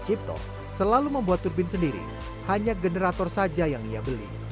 cipto selalu membuat turbin sendiri hanya generator saja yang ia beli